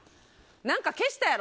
何か消したやろ。